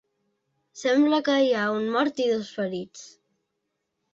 Sembla que hi ha un mort i dos ferits.